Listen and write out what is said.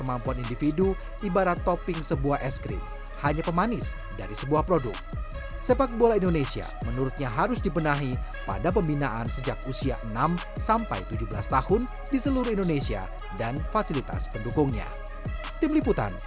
masalah apa masalah mental